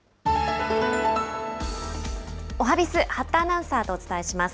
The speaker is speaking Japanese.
おはＢｉｚ、八田アナウンサーとお伝えします。